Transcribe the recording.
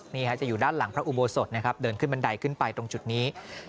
นี่ฮะจะอยู่ด้านหลังพระอุโบสถนะครับเดินขึ้นบันไดขึ้นไปตรงจุดนี้